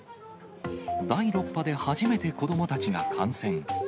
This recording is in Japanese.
第６波で初めて子どもたちが感染。